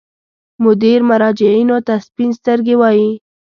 مدیر مراجعینو ته سپین سترګي وایي.